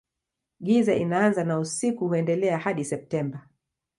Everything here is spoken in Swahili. Giza inaanza na usiku huendelea hadi Septemba.